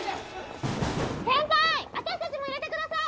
先輩あたしたちも入れてください！